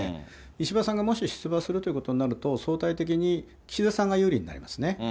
石破さんがもし出馬するということになると、相対的に岸田さんが有利になりますね。